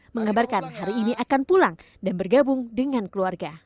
mengabarkan hari ini akan pulang dan bergabung dengan keluarga